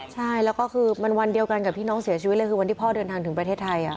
ใช่แล้วก็คือมันวันเดียวกันกับที่น้องเสียชีวิตเลยคือวันที่พ่อเดินทางถึงประเทศไทย